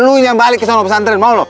lu yang balik ke sana pesantren mau loh